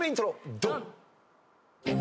ドン！